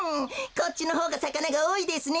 こっちのほうがさかながおおいですね。